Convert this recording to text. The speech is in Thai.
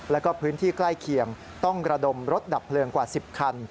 แล้วก็พื้นที่ใกล้เคียงต้องระดมรถดับเพลิงกว่า๑๐คัน